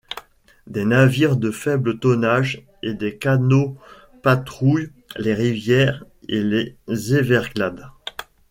Des navires de faible tonnage et des canots patrouillent les rivières et les Everglades.